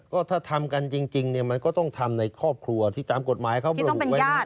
ก็ถ้าทำกันจริงเนี่ยมันก็ต้องทำในครอบครัวที่ตามกฎหมายเขาระบุไว้นะ